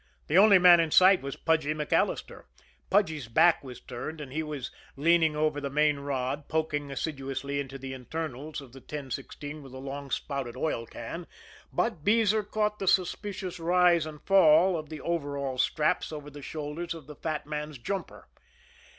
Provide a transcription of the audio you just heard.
The only man in sight was Pudgy MacAllister. Pudgy's back was turned, and he was leaning over the main rod poking assiduously into the internals of the 1016 with a long spouted oil can; but Beezer caught the suspicious rise and fall of the overall straps over the shoulders of the fat man's jumper.